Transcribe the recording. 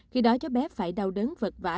khi đó cho bé phải đau đớn vật vả